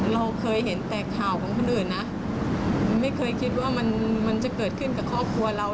เราเคยเห็นแต่ข่าวของคนอื่นนะไม่เคยคิดว่ามันจะเกิดขึ้นกับครอบครัวเรา